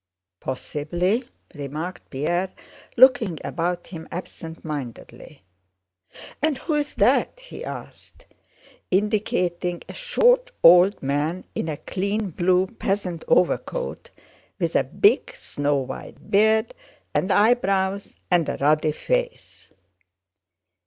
"Possibly," remarked Pierre, looking about him absent mindedly. "And who is that?" he asked, indicating a short old man in a clean blue peasant overcoat, with a big snow white beard and eyebrows and a ruddy face.